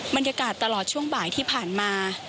บรรยากาศตลอดช่วงบ่ายที่ผ่านมา